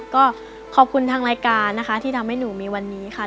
ก็ขอบคุณทางรายการนะคะที่ทำให้หนูมีวันนี้ค่ะ